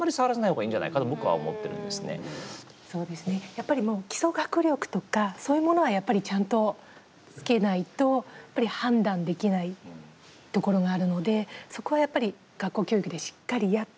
やっぱりもう基礎学力とかそういうものはやっぱりちゃんとつけないと判断できないところがあるのでそこはやっぱり学校教育でしっかりやった上で。